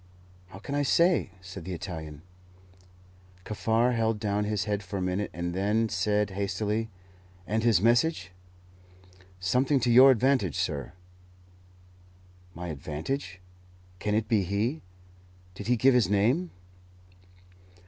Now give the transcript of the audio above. "How can I say?" said the Italian. Kaffar held down his head for a minute, and then said hastily, "And his message?" "Something to your advantage, sir." "My advantage? Can it be he? Did he give his name?"